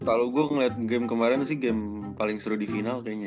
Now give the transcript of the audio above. kalo gua ngeliat game kemaren sih game paling seru di final kayaknya